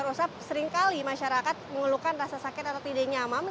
rasa seringkali masyarakat mengeluhkan rasa sakit atau tidak nyaman